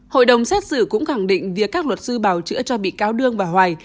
hội đồng xét xử cũng khẳng định việc các luật sư bảo chữa cho bị cáo đương và hoài